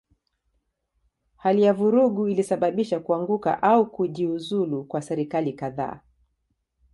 Hali ya vurugu ilisababisha kuanguka au kujiuzulu kwa serikali kadhaa.